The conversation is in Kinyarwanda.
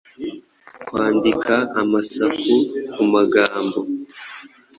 Kwandika amasaku ku magambo